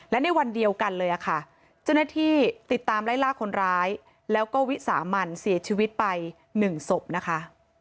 และในวันเดียวกันเลยค่ะเจ้าหน้าที่ติดตามไล่ล่าคนร้ายแล้วก็วิสามันเสียชีวิตไป๑ศพนะคะ